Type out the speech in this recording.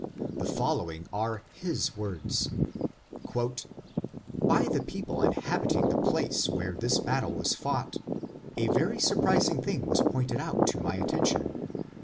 The following are his words :" By the people inhabiting the place where this battle was fought, a very surprising thing was pointed out to my attention.